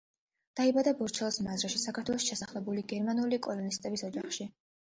დაიბადა ბორჩალოს მაზრაში, საქართველოში ჩასახლებული გერმანელი კოლონისტების ოჯახში.